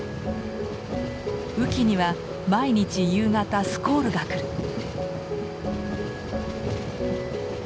雨季には毎日夕方スコールがくる。